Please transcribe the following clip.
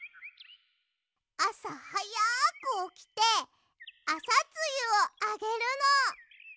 あさはやくおきてアサツユをあげるの。